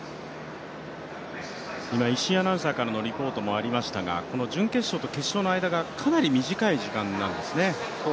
今、石井アナウンサーからのリポートもありましたがこの準決勝と決勝の間がかなり短い時間なんですね。